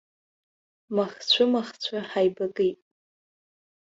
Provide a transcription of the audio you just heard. Махцәымахцәы ҳааибакит.